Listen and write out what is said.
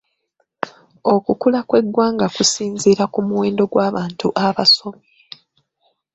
Okukula kw'eggwanga kusinziira ku muwendo gw'abantu abasomye.